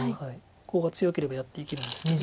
コウが強ければやっていけるんですけど。